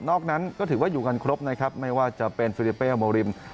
นั้นก็ถือว่าอยู่กันครบนะครับไม่ว่าจะเป็นฟิลิเปลโมริม